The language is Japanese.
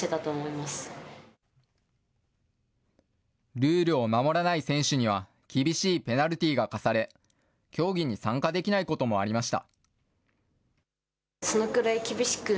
ルールを守らない選手には、厳しいペナルティーが課され、競技に参加できないこともありました。